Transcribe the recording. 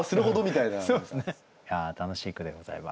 いや楽しい句でございます。